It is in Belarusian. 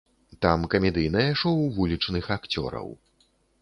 Там камедыйнае шоў вулічных акцёраў.